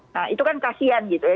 nah itu kan kasian gitu ya